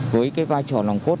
với cái vai trò nòng cốt